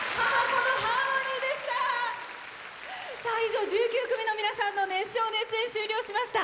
以上１９組の皆さんの熱唱・熱演、終了しました。